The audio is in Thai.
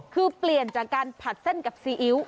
คือเปลี่ยนจากการผัดเส้นกับซีอิ๊ว